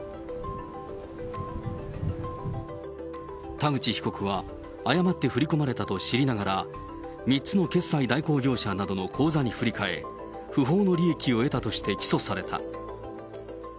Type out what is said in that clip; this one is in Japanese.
田口被告は誤って振り込まれたと知りながら、３つの決済代行業者などの口座に振り替え、不法の利益を得たとして起訴された。